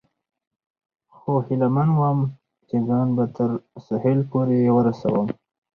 خو هیله من ووم، چې ځان به تر ساحل پورې ورسوم.